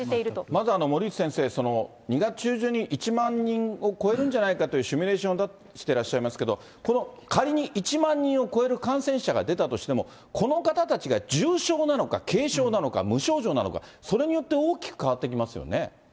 まず森内先生、その２月中旬に１万人を超えるんじゃないかというシミュレーションを出してらっしゃいますけども、この、仮に１万人を超える感染者が出たとしても、この方たちが重症なのか、軽症なのか、無症状なのか、それによって大きく変わってきますよね。